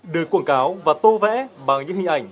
được quảng cáo và tô vẽ bằng những hình ảnh